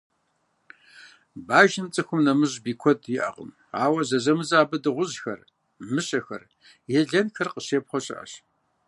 Бажэм цӀыхум нэмыщӀ бий куэд иӀэкъым, ауэ зэзэмызэ абы дыгъужьхэр, мыщэхэр, елэнхэр къыщепхъуэ щыӏэщ.